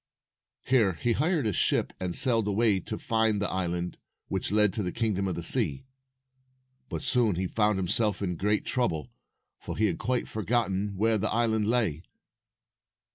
Here he hired a ship, and sailed away to find the island which led to the Kingdom of the Sea. But soon he found himself in great trouble, for he had quite forgotten where the island lay.